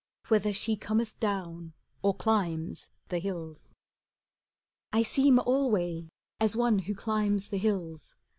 Whether she cometh down, or climbs, the hills. CANZONIERE I seem alway as one who climbs the hills.